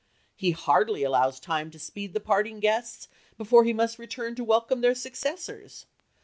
He hardly allows time to speed the parting guests before he must turn to welcome their successors.